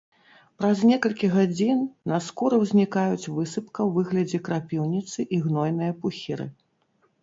Праз некалькі гадзін на скуры ўзнікаюць высыпка ў выглядзе крапіўніцы і гнойныя пухіры.